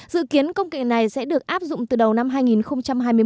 dự kiến công kỳ này sẽ được áp dụng từ đầu năm hai nghìn hai mươi một